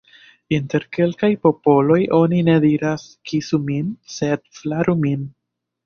Inter kelkaj popoloj oni ne diras: « kisu min », sed « flaru min ».